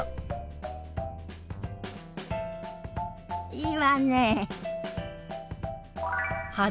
いいわね。